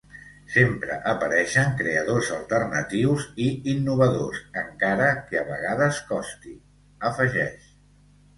Sempre apareixen creadors alternatius i innovadors, encara que a vegades costi, afegeix.